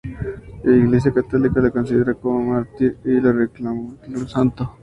La Iglesia católica lo considera como mártir y lo declaró santo.